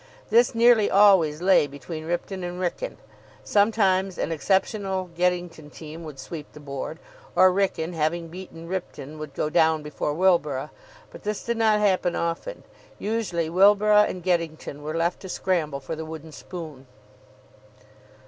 This nearly always lay between Ripton and Wrykyn. Sometimes an exceptional Geddington team would sweep the board, or Wrykyn, having beaten Ripton, would go down before Wilborough. But this did not happen often. Usually Wilborough and Geddington were left to scramble for the wooden spoon.